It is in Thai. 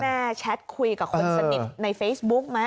ที่แม่แชทคุยกับคนสนิทในเฟซบุ๊กนะ